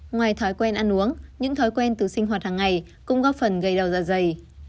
ngoài thói quen ăn uống những thói quen từ sinh hoạt hàng ngày cũng góp phần gây đau da dày